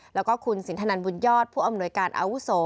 แล้วก็คุณสินทนันบุญยอดผู้อำนวยการอาวุโส